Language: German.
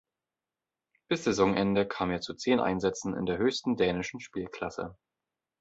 Bis Saisonende kam er zu zehn Einsätzen in der höchsten dänischen Spielklasse.